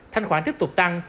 thanh khoản tiếp tục tăng